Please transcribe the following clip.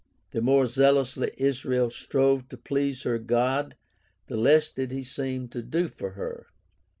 The more zealously Israel strove to please her God the less did he seem to do for her.